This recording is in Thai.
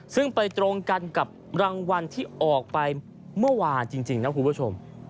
ซึ่งไปตรงกันกับรางวัลที่ออกไปเมื่อวานจริงนะคุณผู้ชม